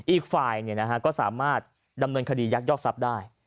อีกฝ่ายเนี่ยนะฮะก็สามารถดำเนินคดียักษ์ยอกทรัพย์ได้